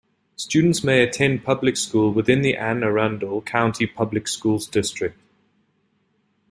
Students may attend public school within the Anne Arundel County Public Schools district.